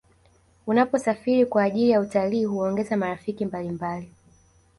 unaposarifiri kwa ajiri ya utalii huongeza marafiki mbalimbali